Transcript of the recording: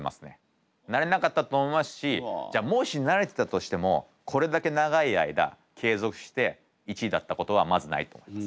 なれなかったと思いますしじゃあもしなれてたとしてもこれだけ長い間継続して１位だったことはまずないと思います。